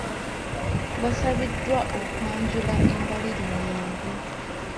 Baasabiddwa okwanjula embalirira yaabwe.